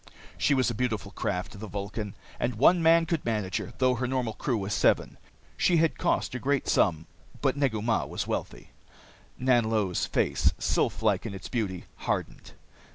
She was a beautiful craft, the Vulcan, and one man could manage her, though her normal crew was seven. She had cost a great sum. But Negu Mah was wealthy. Nanlo's face, sylph like in its beauty, hardened.